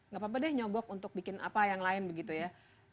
gak apa apa deh nyogok untuk bikin apa yang lain begitu ya